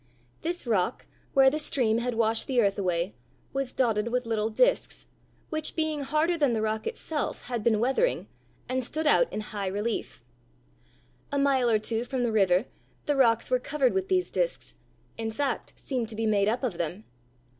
This rock, where the stream had washed the earth away, was dotted with little disks (Fig. 44), which being harder than the rock itself had been weathering, and stood out in high relief. A mile or two from the river the rocks were covered with these disks, in fact, seemed to be made up of them.